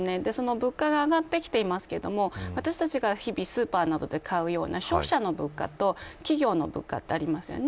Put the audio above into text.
物価が上がってきていますが私たちが日々スーパーで買うような消費者の物価と企業の物価がありますね。